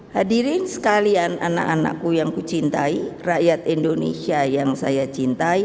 hadirin sekalian anak anakku yang ku cintai rakyat indonesia yang saya cintai